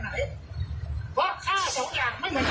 เพราะข้าวสองอย่างไม่เหมือนกัน